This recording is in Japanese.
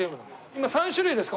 今３種類ですか？